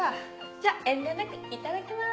じゃ遠慮なくいただきます。